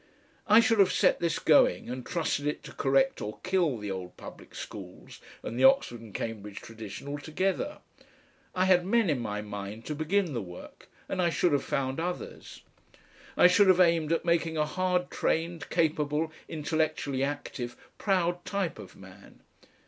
I should have set this going, and trusted it to correct or kill the old public schools and the Oxford and Cambridge tradition altogether. I had men in my mind to begin the work, and I should have found others. I should have aimed at making a hard trained, capable, intellectually active, proud type of man.